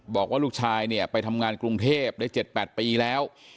บอกว่าลูกชายเนี่ยไปทำงานกรุงเทพได้๗๘ปีแล้ว